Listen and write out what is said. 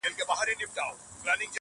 گراني خبري سوې پرې نه پوهېږم.